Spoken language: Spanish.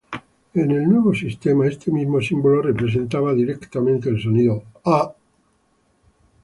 En el nuevo sistema, este mismo símbolo representaba directamente el sonido "a".